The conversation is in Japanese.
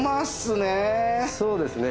そうですね。